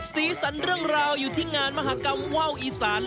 สีสันเรื่องราวอยู่ที่งานมหากรรมว่าวอีสาน